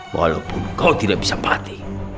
walaupun kau tidak bisa pati